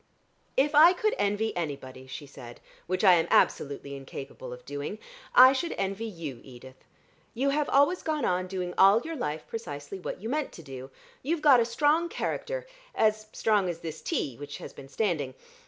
"If I could envy anybody," she said, "which I am absolutely incapable of doing, I should envy you, Edith. You have always gone on doing all your life precisely what you meant to do. You've got a strong character, as strong as this tea, which has been standing.